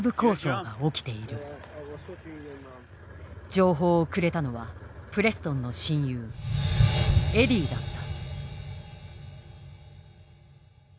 情報をくれたのはプレストンの親友エディだった。